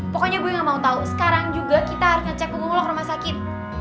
pokoknya gue gak mau tau sekarang juga kita harus ngecek punggung lo ke rumah sakit